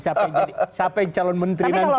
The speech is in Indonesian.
siapa yang calon menteri nanti